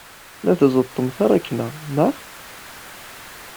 La tẓeṭṭem taṛakna, naɣ?